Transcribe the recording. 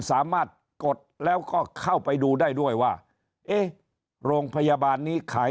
สามารถกดแล้วก็เข้าไปดูได้ด้วยว่าเอ๊ะโรงพยาบาลนี้ขาย